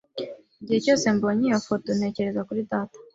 Igihe cyose mbonye iyi foto, ntekereza kuri data.